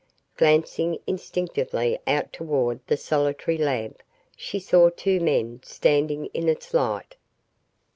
Glancing instinctively out toward the solitary lamp she saw two men standing in its light.